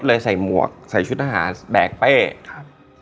ไปใส่หมวกใส่ชุดหน้าหาแบกเป๊ะ